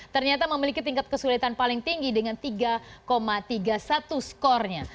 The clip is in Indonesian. ternyata memiliki tingkat kesulitan paling tinggi dengan tiga tiga puluh satu skornya